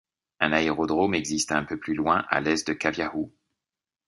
Un aérodrome existe un peu plus loin, à l'est de Caviahue.